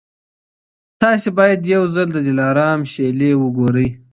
تاسي باید یو ځل د دلارام شېلې وګورئ.